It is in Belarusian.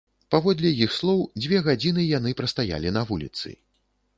Паводле іх слоў, дзве гадзіны яны прастаялі на вуліцы.